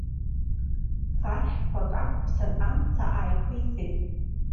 Фархьқәак ақәыԥсан амца ааиқәиҵеит.